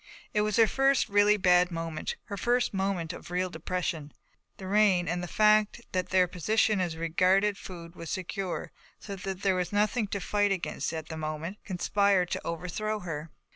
It was her first really bad moment. Her first moment of real depression. The rain and the fact that their position as regarded food was secure, so that there was nothing to fight against at the moment, conspired to overthrow her.